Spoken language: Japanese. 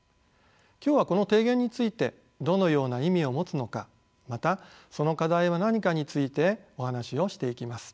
今日はこの提言についてどのような意味を持つのかまたその課題は何かについてお話をしていきます。